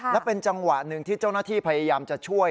และเป็นจังหวะหนึ่งที่เจ้าหน้าที่พยายามจะช่วย